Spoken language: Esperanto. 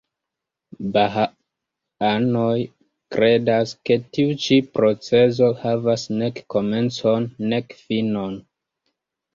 Bahaanoj kredas, ke tiu ĉi procezo havas nek komencon, nek finon.